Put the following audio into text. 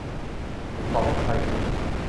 ฉันขอให้อภัยคุณ !